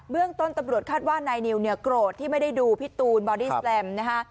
เรื่องต้นตำรวจคาดว่านายนิวเนี่ยโกรธที่ไม่ได้ดูพี่ตูนบอดี้แลมนะฮะ